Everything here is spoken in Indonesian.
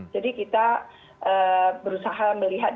jadi kita berusaha melihat dari beberapa faktor